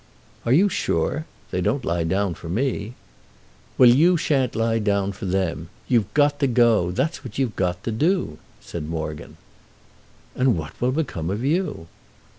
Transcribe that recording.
"Are you sure? They don't lie down for me!" "Well, you shan't lie down for them. You've got to go—that's what you've got to do," said Morgan. "And what will become of you?"